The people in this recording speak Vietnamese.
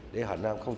để hà nam không